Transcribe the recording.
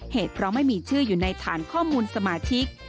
เหตุเพราะไม่มีชื่ออยู่ในฐานข้อมูลสมาชิก